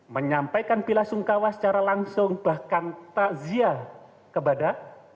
menyampaikan bela sungkala secara langsung bahkan takziah kepada